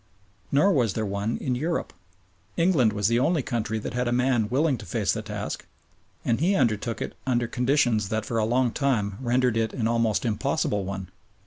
Nor was there one in Europe. England was the only country that had a man willing to face the task, and he undertook it under conditions that for a long time rendered it an almost impossible one.